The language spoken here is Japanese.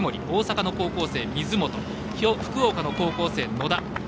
大阪の高校生、水本福岡の高校生、野田。